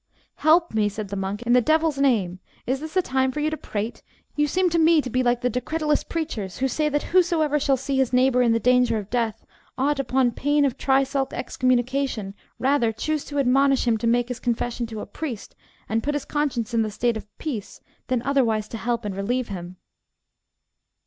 Help me, said the monk, in the devil's name; is this a time for you to prate? You seem to me to be like the decretalist preachers, who say that whosoever shall see his neighbour in the danger of death, ought, upon pain of trisulk excommunication, rather choose to admonish him to make his confession to a priest, and put his conscience in the state of peace, than otherwise to help and relieve him.